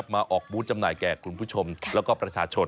มาออกบูธจำหน่ายแก่คุณผู้ชมแล้วก็ประชาชน